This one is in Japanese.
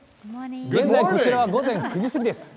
現在、こちらは午前９時すぎです。